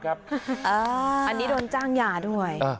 อันนี้โดนจ้างยาด้วย